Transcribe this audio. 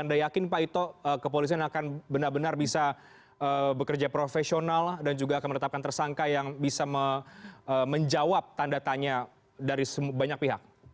anda yakin pak ito kepolisian akan benar benar bisa bekerja profesional dan juga akan menetapkan tersangka yang bisa menjawab tanda tanya dari banyak pihak